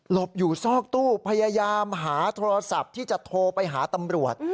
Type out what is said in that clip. บอยู่ซอกตู้พยายามหาโทรศัพท์ที่จะโทรไปหาตำรวจ